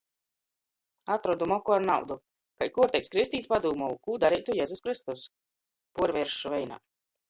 Atrodu moku ar naudu. Kai kuorteigs kristīts padūmuoju: "Kū dareitu Jezus Kristus?" Puorvieršu veinā.